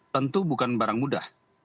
tentu bukan barang mudah